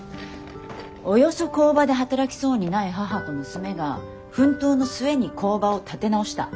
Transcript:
およそ工場で働きそうにない母と娘が奮闘の末に工場を立て直した。